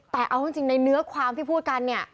แต่เอาจริงในเนื้อความที่พูดกันเนี่ย